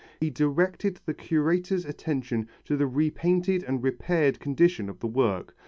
He directed the curator's attention to the repainted and repaired condition of the work.